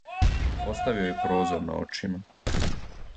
Остави јој прозор на очима,